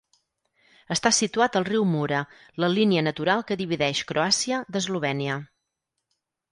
Està situat al riu Mura, la línia natural que divideix Croàcia d'Eslovènia.